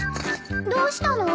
どうしたの？